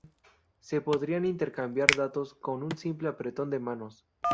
se podrían intercambiar datos con un simple apretón de manos